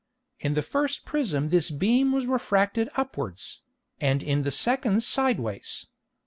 In the first Prism this beam was refracted upwards, and in the second sideways.